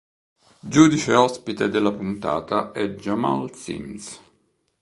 Giudice ospite della puntata è Jamal Sims.